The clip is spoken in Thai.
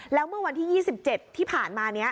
แล้วเมื่อวันที่๒๗ที่ผ่านมานี้